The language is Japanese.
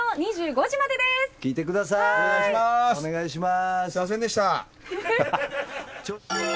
お願いします！